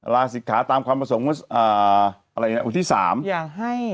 ลาศิกขาตามความประสงค์ที่๓